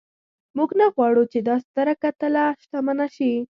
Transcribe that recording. موږ نه غواړو چې دا ستره کتله شتمنه شي.